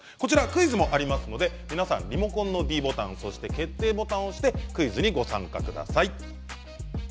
クイズもありますので、皆さんリモコンのｄボタン決定ボタンを押してクイズにご参加ください。